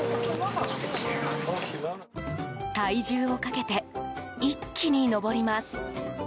体重をかけて一気に上ります。